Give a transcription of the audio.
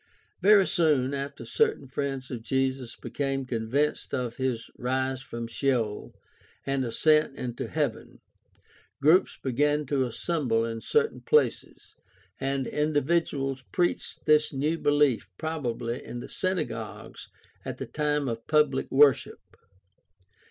— Very soon after certain friends of Jesus became convinced of his rise from Sheol and ascent into heaven, groups began to assemble in certain places, and individuals preached this new belief prob ably in the synagogues at the time of pubHc worship.